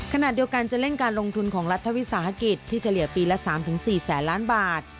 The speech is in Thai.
ขณะเดียวกันจะเร่งการลงทุนของรัฐวิสาหกิจที่เฉลี่ยปีละ๓๔แสนล้านบาท